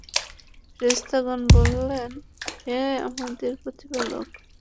ফেরেশতাগণ বললেন, হে আমাদের প্রতিপালক!